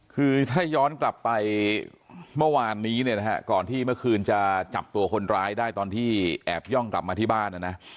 คือถ้าย้อนกลับไปเมื่อวานนี้เนี่ยนะฮะก่อนที่เมื่อคืนจะจับตัวคนร้ายได้ตอนที่แอบย่องกลับมาที่บ้านนะนะ